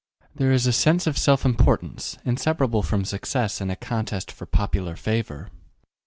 There is a sense of self importance, inseparable from success in a contest for popular favor.